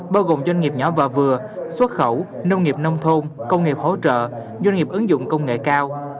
bao gồm doanh nghiệp nhỏ và vừa xuất khẩu nông nghiệp nông thôn công nghiệp hỗ trợ doanh nghiệp ứng dụng công nghệ cao